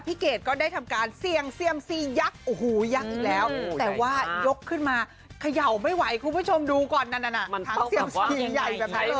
พี่เกดก็ได้ทำการเซียงเซียมซียักษ์อูหูยักษ์อีกแล้วแต่ว่ายกขึ้นมาขย่าวไม่ไหวคุณผู้ชมดูก่อนนะทั้งเซียมซียักษ์ใหญ่แบบนั้นเลย